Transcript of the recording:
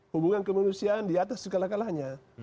hubungan kemanusiaan di atas segala kalahnya